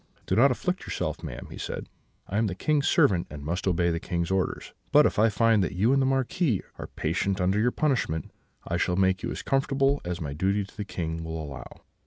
"'Do not afflict yourself, madam,' he said: 'I am the King's servant, and must obey the King's orders; but if I find that you and the Marquis are patient under your punishment, I shall make you as comfortable as my duty to the King will allow.'